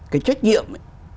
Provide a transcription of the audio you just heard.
cái trách nhiệm